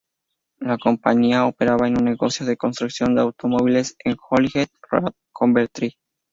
La compañía operaba un negocio de construcción de automóviles en Holyhead Road, Coventry.